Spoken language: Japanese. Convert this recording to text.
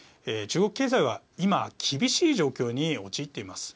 中国経済は今、厳しい状況に陥っています。